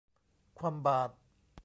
คว่ำบาตร